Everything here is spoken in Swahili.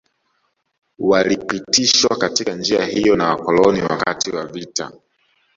Walipitishwa katika njia hiyo na Wakoloni wakati wa vita